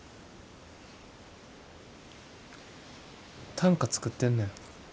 短歌作ってんねん。